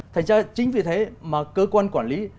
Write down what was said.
thành ra chính vì thế mà cơ quan quản lý